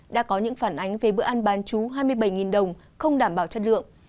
đã có những phản ánh về bữa ăn bán chú hai mươi bảy đồng không đảm bảo chất lượng